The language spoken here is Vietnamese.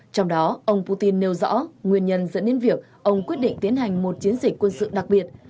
trong đó ông putin nêu rõ nguyên nhân dẫn đến việc ông quyết định tiến hành một chiến dịch quân sự đặc biệt